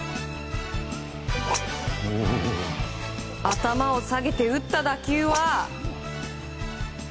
頭を下げて打った打球は。